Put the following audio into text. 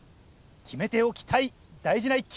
決めておきたい大事な一球！